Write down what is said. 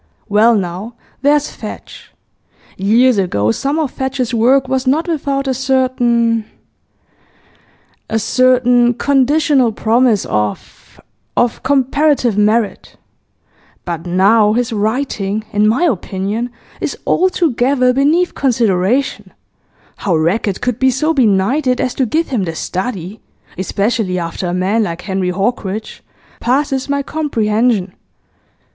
Well now, there's Fadge. Years ago some of Fadge's work was not without a certain a certain conditional promise of of comparative merit; but now his writing, in my opinion, is altogether beneath consideration; how Rackett could be so benighted as to give him The Study especially after a man like Henry Hawkridge passes my comprehension.